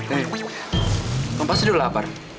nih kamu pasti udah lapar